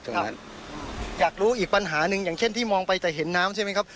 อยากรู้อีกปัญหาหนึ่งอย่างเช่นที่มองไปแต่เห็นน้ำใช่ไหมครับ